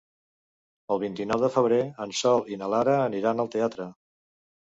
El vint-i-nou de febrer en Sol i na Lara aniran al teatre.